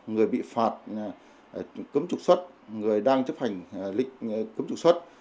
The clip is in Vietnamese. người bị phạt cấm trục xuất người đang chấp hành lệnh cấm trục xuất